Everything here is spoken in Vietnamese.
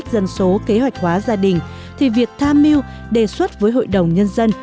dân số kế hoạch hóa gia đình thì việc thamiu đề xuất với hội đồng nhân dân